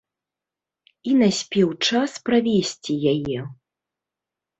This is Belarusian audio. І наспеў час правесці яе.